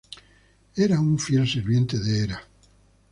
Era un fiel sirviente de Hera.